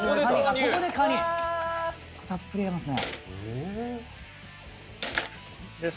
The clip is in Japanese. ここでカニたっぷり入れますね